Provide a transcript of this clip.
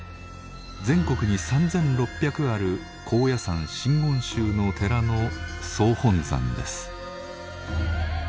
全国に３，６００ある高野山真言宗の寺の総本山です。